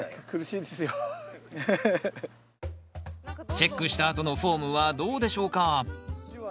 チェックしたあとのフォームはどうでしょうか？